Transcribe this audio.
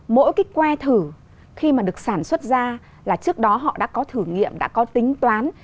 mỗi cái que thử khi mà được sản xuất ra là trước đó họ đã có thử nghiệm đã có tính toán